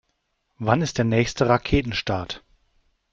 Wann ist der nächste Raketenstart?